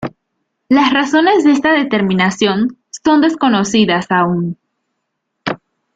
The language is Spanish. Las razones de esta determinación son desconocidas aún.